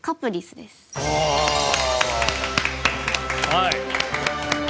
はい。